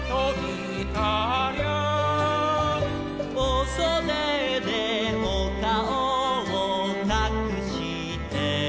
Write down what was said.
「お袖でお顔をかくしてる」